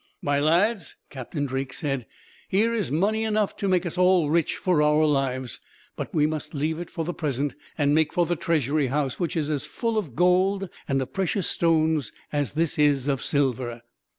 "My lads," Captain Drake said, "here is money enough to make us all rich for our lives; but we must leave it for the present, and make for the Treasury House, which is as full of gold and of precious stones as this is of silver."